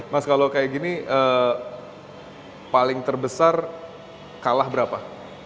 mas kalau kayak gini paling terbesar kalah berapa